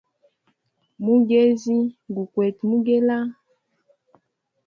Mugezi gu kwete mugela.